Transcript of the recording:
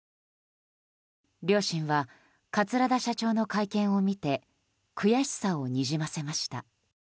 両親は桂田社長の会見を見て悔しさをにじませました。